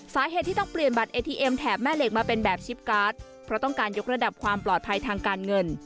สาเหตุที่ต้องเปลี่ยนบัตรเอทีเอ็มแถบแม่เหล็กมาเป็นแบบชิปการ์ดเพราะต้องการยกระดับความปลอดภัยทางการเงิน